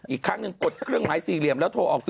อีกครั้งหนึ่งกดเครื่องหมายสี่เหลี่ยมแล้วโทรออกสิ